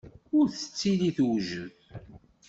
Ur tettili tewjed.